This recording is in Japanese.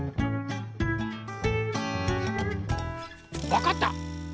わかった！